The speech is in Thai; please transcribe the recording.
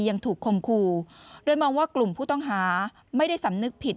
ยังถูกคมคู่โดยมองว่ากลุ่มผู้ต้องหาไม่ได้สำนึกผิด